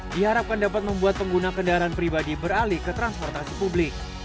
diharapkan dapat membuat pengguna kendaraan pribadi beralih ke transportasi publik